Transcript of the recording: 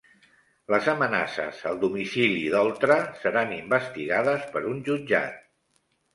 Les amenaces al domicili d'Oltra seran investigades per un jutjat